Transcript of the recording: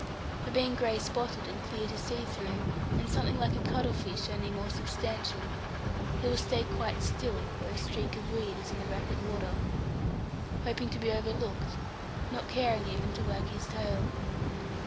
For being gray spotted, and clear to see through, and something like a cuttle fish, only more substantial, he will stay quite still where a streak of weed is in the rapid water, hoping to be overlooked, not caring even to wag his tail.